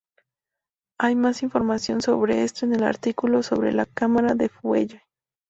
Hay más información sobre esto en el artículo sobre la cámara de fuelle.